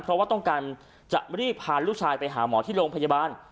เพราะว่าต้องการจะรีบพาลูกชายไปหาหมอที่โรงพยาบาล